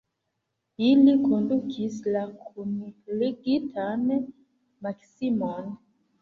Ili kondukis la kunligitan Maksimon.